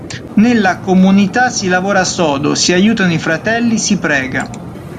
Nella comunità si lavora sodo, si aiutano i fratelli, si prega.